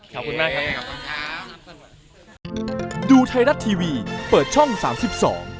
ขอบคุณมากครับ